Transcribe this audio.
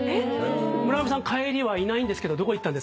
「村上さん帰りはいないんですけどどこへ行ったんですか？」